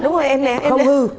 đúng rồi em nè